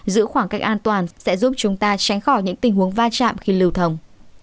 giữ khoảng cách an toàn sẽ giúp chúng ta tránh khỏi những tình huống va chạm khi lưu thông